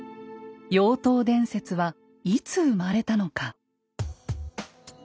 妖刀伝説はいつ生まれたのか。